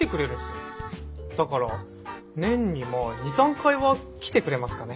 だから年にまあ２３回は来てくれますかね。